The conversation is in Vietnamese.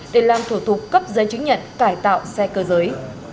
để làm thủ tục cấp giấy chứng nhận cải tạo xe cơ giới